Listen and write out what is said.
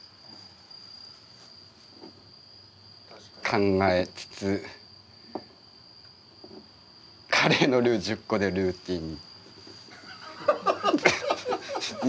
考えつつカレーのルー１０個でルーティン。